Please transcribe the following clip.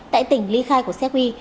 tại tỉnh ly khai của sevi